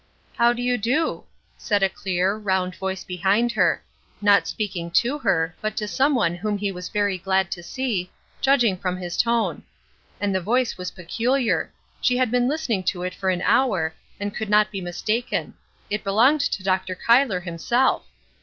"How do you do?" said a clear, round voice behind her; not speaking to her, but to some one whom he was very glad to see, judging from his tone. And the voice was peculiar; she had been listening to it for an hour, and could not be mistaken; it belonged to Dr. Cuyler himself.